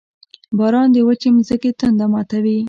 • باران د وچې ځمکې تنده ماتوي.